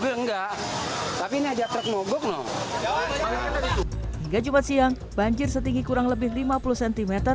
hingga jumat siang banjir setinggi kurang lebih lima puluh cm